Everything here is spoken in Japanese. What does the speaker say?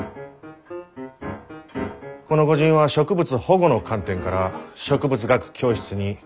この御仁は植物保護の観点から植物学教室に反対運動に加われと。